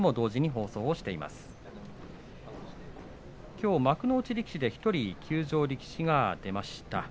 きょう幕内力士で１人休場力士が出ました。